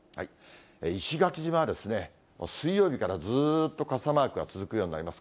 石垣島は水曜日からずっと傘マークが続くようになります。